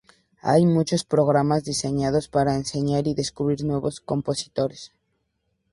Hay muchos programas diseñados para enseñar y descubrir nuevos compositores.